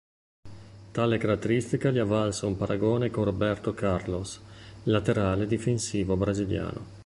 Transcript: Tale caratteristica gli ha valso un paragone con Roberto Carlos, laterale difensivo brasiliano.